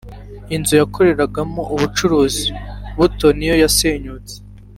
Inzu yakoreragamo ubucuruzi buto niyo yasenyutse